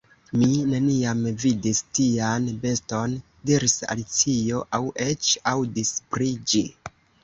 "Mi neniam vidis tian beston," diris Alicio, "aŭ eĉ aŭdis pri ĝi."